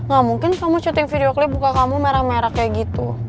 gak mungkin kamu syuting video klip buka kamu merah merah kayak gitu